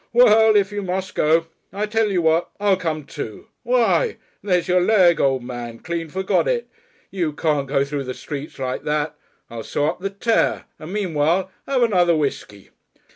"Well, if you must go! I tell you what. I'll come, too.... Why! There's your leg, old man! Clean forgot it! You can't go through the streets like that. I'll sew up the tear. And meanwhile have another whiskey."